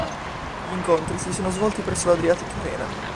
Gli incontri si sono svolti presso l'Adriatic Arena.